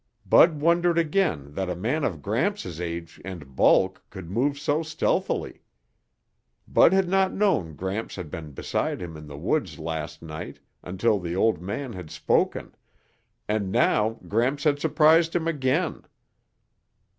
Bud wondered again that a man of Gramps' age and bulk could move so stealthily. Bud had not known Gramps had been beside him in the woods last night until the old man had spoken, and now Gramps had surprised him again.